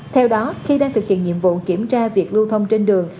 theo đó khi đang thực hiện nhiệm vụ kiểm tra việc lưu thông trên đường